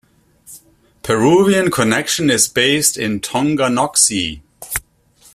Peruvian Connection is based in Tonganoxie.